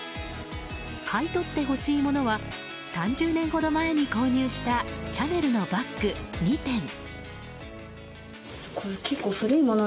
買い取ってほしいものは３０年ほど前に購入したシャネルのバッグ２点。